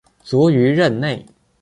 卒于任内。